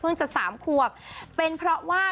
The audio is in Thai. เพิ่งจะ๓ขวบเป็นเพราะว่า